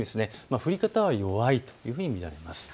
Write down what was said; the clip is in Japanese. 降り方は弱いというふうになります。